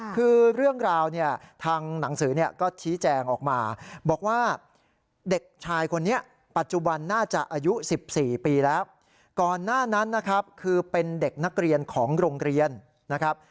คือเรื่องราวนี่ทางหนังสือนี้ก็ชี้แจ้งออกมา